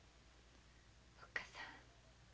おっ母さん。